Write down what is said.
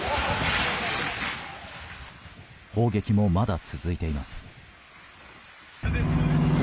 砲撃もまだ続いています。